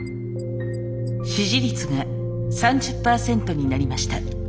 支持率が３０％になりました。